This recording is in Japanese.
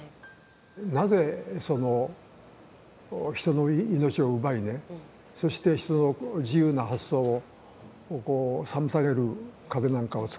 なぜその人の命を奪いねそして人の自由な発想を妨げる壁なんかをつくるか。